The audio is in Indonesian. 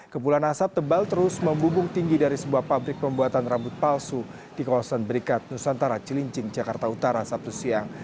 kepulan asap tebal terus membumbung tinggi dari sebuah pabrik pembuatan rambut palsu di kawasan berikat nusantara cilincing jakarta utara sabtu siang